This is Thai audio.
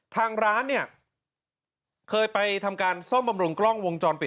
ทางร้านเนี่ยเคยไปทำการซ่อมบำรุงกล้องวงจรปิด